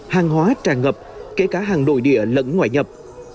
hàng hóa tràn ngập kể cả hàng nội địa lẫn ngoại nhập